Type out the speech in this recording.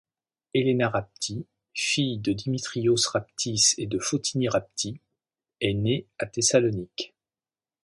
Élena Rápti, fille de Dimítrios Ráptis et de Fotiní Rápti, est née à Thessalonique.